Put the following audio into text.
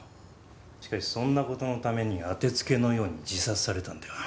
しかしそんな事のために当てつけのように自殺されたんでは。